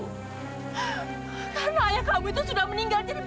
karena ayah kamu itu sudah meninggal